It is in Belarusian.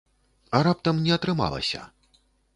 А раптам не атрымалася?